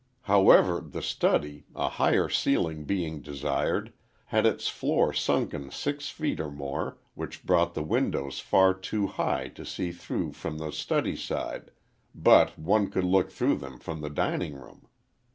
However, the study, a higher ceiling being desired, had its floor sunken six feet or more, which brought the windows far too high to see through from the study side, but one could look through them from the dining room.